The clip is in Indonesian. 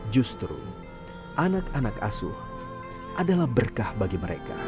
justru anak anak asuh adalah berkah bagi mereka